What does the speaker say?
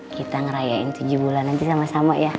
kita ngerayain tujuh bulanan sama sama ya